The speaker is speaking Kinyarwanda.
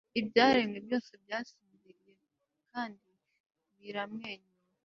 ibyaremwe byose byasinziriye kandi biramwenyura